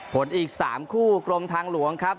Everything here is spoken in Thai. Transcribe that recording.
อีก๓คู่กรมทางหลวงครับ